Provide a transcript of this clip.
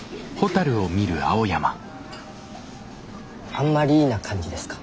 あんまりな感じですか？